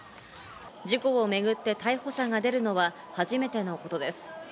事故をめぐって逮捕者が出るのは初めてのことです。